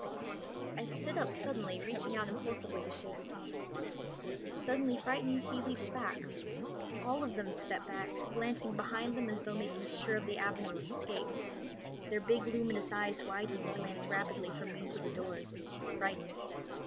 I sit up suddenly, reaching out impulsively to shake his hand. Suddenly frightened he leaps back. All of them step back, glancing behind them as though making sure of the avenue of escape. Their big luminous eyes widen and glance rapidly from me to the doors, frightened.